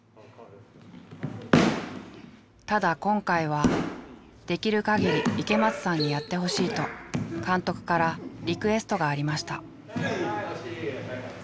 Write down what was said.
ただ今回は「できるかぎり池松さんにやってほしい」と監督からリクエストがありました。